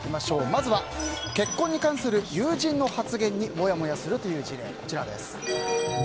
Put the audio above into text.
まずは結婚に関する友人の発言にもやもやするという事例です。